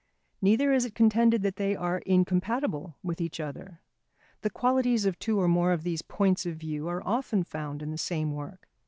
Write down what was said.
Neither is it contended that they are incompatible with each other: the qualities of two or more of these points of view are often found in the same work.